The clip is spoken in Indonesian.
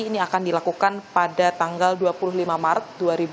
ini akan dilakukan pada tanggal dua puluh lima maret dua ribu dua puluh